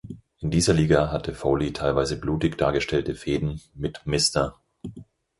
In dieser Liga hatte Foley teilweise blutig dargestellte Fehden mit „Mr.